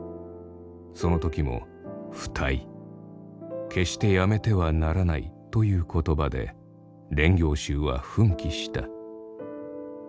その時も不退決してやめてはならないという言葉で練行衆は奮起した。